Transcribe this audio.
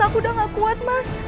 aku udah gak kuat mas